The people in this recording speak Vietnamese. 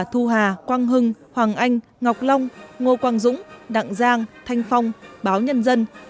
thu hà quang hưng hoàng anh ngọc long ngô quang dũng đặng giang thanh phong báo nhân dân